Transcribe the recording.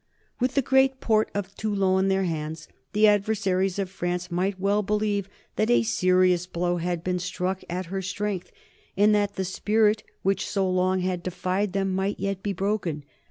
With the great port of Toulon in their hands the adversaries of France might well believe that a serious blow had been struck at her strength, and that the spirit which so long had defied them might yet be broken.